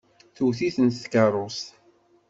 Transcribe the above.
Tewwet-iten tkeṛṛust.